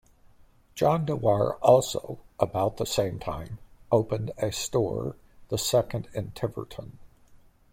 John Dewar, also, about the same time, opened a store, the second in Tiverton.